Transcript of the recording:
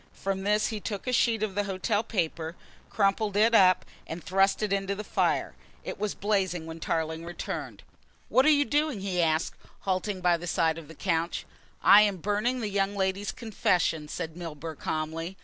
From this he took a sheet of the hotel paper, crumpled it up and thrust it into the fire. It was blazing when Tarling returned. "What are you doing?" he asked, halting by the side of the couch. "I am burning the young lady's confession," said Milburgh calmly.